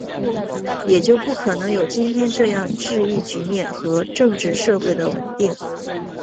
也就不可能有今天这样的治疫局面和政治社会的稳定